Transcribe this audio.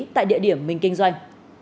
tại địa điểm mình kinh doanh